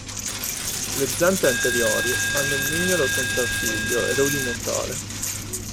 Le zampe anteriori hanno il mignolo senza artiglio e rudimentale.